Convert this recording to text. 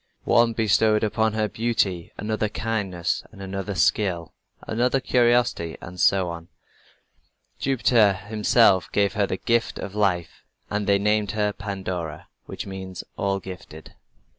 One bestowed upon her beauty, another, kindness, another, skill, another, curiosity, and so on. Jupiter himself gave her the gift of life, and they named her Pandora, which means "all gifted."